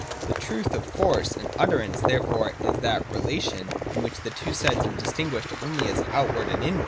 The truth of Force and utterance therefore is that relation, in which the two sides are distinguished only as Outward and Inward.